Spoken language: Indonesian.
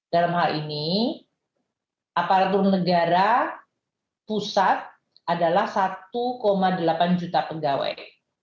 dalam hal ini aparatur negara pusat adalah satu delapan juta pegawai